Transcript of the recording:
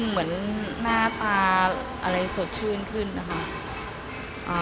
เหมือนหน้าตาอะไรสดชื่นขึ้นนะคะ